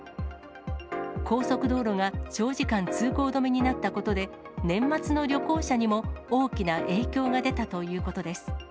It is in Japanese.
高速道路が長時間通行止めになったことで、年末の旅行者にも大きな影響が出たということです。